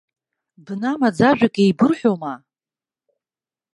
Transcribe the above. Бна маӡажәак еибырҳәома?